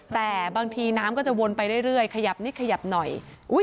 แต่บางทีน้ำก็จะวนไปเรื่อยขยับนิดขยับหน่อย